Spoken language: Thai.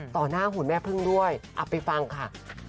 หน้าหุ่นแม่พึ่งด้วยเอาไปฟังค่ะ